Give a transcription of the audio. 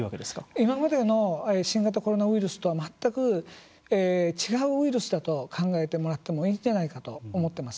今までの新型コロナウイルスとは全く違うウイルスだと考えてもらってもいいんじゃないかと思っています。